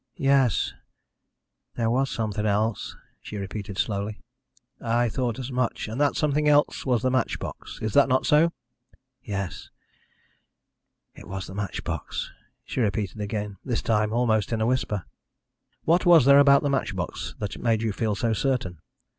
"Yes, there was something else," she repeated slowly. "I thought as much. And that something else was the match box is that not so?" "Yes, it was the match box," she repeated again, this time almost in a whisper. "What was there about the match box that made you feel so certain?"